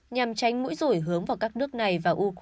nhằm tránh mũi rủi hướng vào các nước này